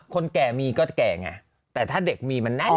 คนแก่มีก็แก่ไงแต่ถ้าเด็กมีมันแน่น